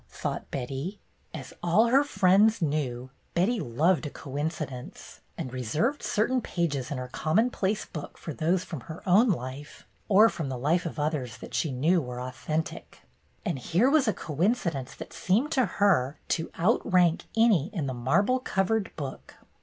thought Betty. As all her friends knew, Betty loved a co incidence, and reserved certain pages in her commonplace book for those from her own life or from the lives of others that she knew were authentic. And here was a coincidence that seemed to her to outrank any in the marble covered book.